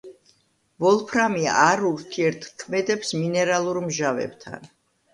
ვოლფრამი არ ურთიერთქმედებს მინერალურ მჟავებთან.